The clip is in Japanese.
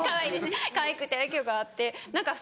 かわいくて愛嬌があって。